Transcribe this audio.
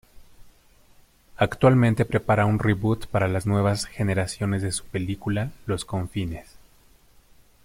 Actualmente prepara un reboot para las nuevas generaciones de su película Los Confines.